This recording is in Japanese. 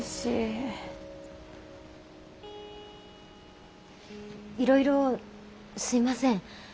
いろいろすいません。